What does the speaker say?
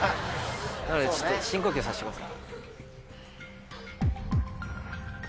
なのでちょっと深呼吸させてください。